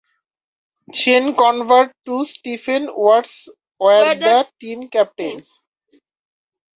Sean Conover and Stephen Watts were the team captains.